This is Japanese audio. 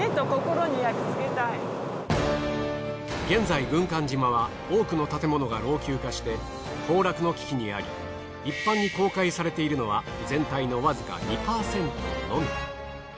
現在軍艦島は多くの建物が老朽化して崩落の危機にあり一般に公開されているのは全体のわずか２％のみ。